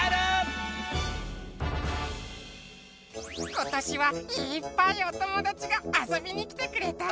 ことしはいっぱいおともだちがあそびにきてくれたんだ。